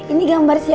ini gambar siapa